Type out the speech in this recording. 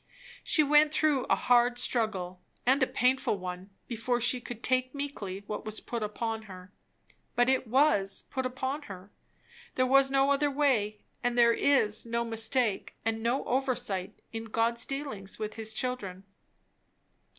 She went through a hard struggle and a painful one, before she could take meekly what was put upon her. But it was put upon her; there was no other way; and there is no mistake and no oversight in God's dealings with his children.